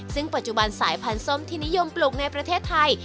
ซึ่งปัจจุบันสายพันธุ์ส้มที่นิยมปลูกในประเทศไทย